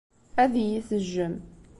Ad iyi-tejjem.